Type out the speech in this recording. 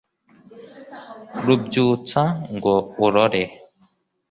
rubyutsa, ngo urore